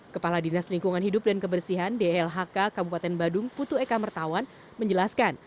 kepala dinas lingkungan hidup dan kebersihan dlhk kabupaten badung putu eka mertawan menjelaskan